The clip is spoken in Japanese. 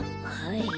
はい。